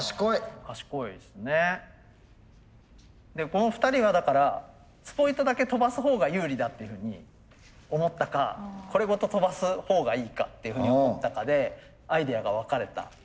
この２人がだからスポイトだけ飛ばすほうが有利だっていうふうに思ったかこれごと飛ばすほうがいいかっていうふうに思ったかでアイデアが分かれた。